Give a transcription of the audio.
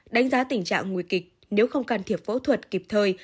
đánh giá tình trạng nguy kịch nếu không can thiệp phẫu thuật kịp thời